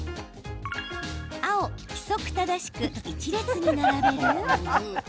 青・規則正しく１列に並べる。